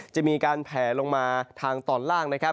จะมีการแผลลงมาทางตอนล่างนะครับ